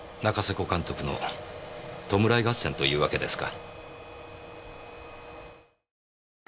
古監督の弔い合戦というわけですか。